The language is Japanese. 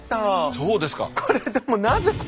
そうですか。